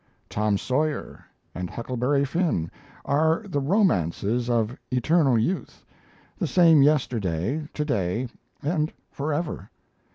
'Tom Sawyer' and 'Huckleberry Finn' are the romances of eternal youth, the same yesterday, to day, and forever.